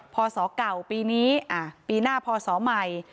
พอสเก่าปีนี้อ่ะปีหน้าพอสใหม่